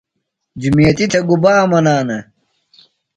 جُمیتی تھےۡ گُبا منانہ؟